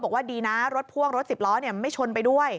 บอกว่าดีนะรถพ่วงรถสิบล้อไม่ชนไปด้วย